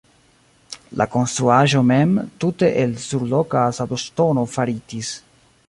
La konstruaĵo mem tute el surloka sabloŝtono faritis.